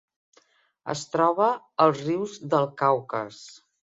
Es troba als rius del Caucas.